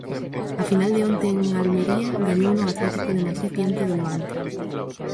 A final de onte en Almería gañouna o Atlético de Madrid diante do Levante.